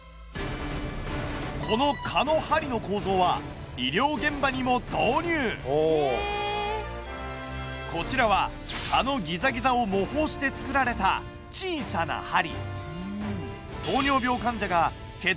この蚊の針の構造はこちらは蚊のギザギザを模倣して作られた小さな針。